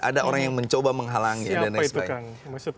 ada orang yang mencoba menghalangi siapa itu